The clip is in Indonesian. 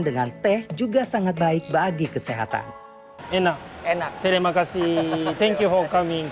dengan teh juga sangat baik bagi kesehatan enak enak telemakasih thank you for coming